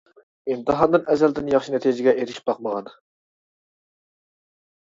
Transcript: ئىمتىھاندىن ئەزەلدىن ياخشى نەتىجىگە ئېرىشىپ باقمىغان.